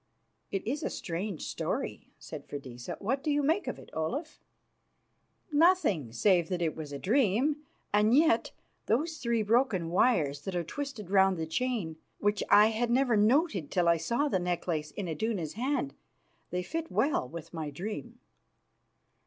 "It is a strange story," said Freydisa. "What do you make of it, Olaf?" "Nothing save that it was a dream. And yet those three broken wires that are twisted round the chain, which I had never noted till I saw the necklace in Iduna's hand! They fit well with my dream."